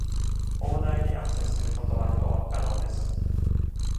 砲台にアクセスすることは今日は不可能です。